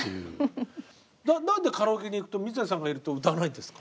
何でカラオケに行くと水谷さんがいると歌わないんですか？